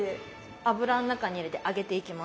油の中に入れて揚げていきます。